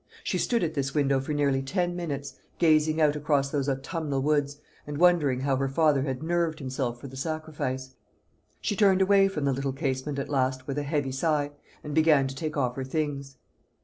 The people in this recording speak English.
She stood at this window for nearly ten minutes, gazing out across those autumnal woods, and wondering how her father had nerved himself for the sacrifice. She turned away from the little casement at last with a heavy sigh, and began to take off her things.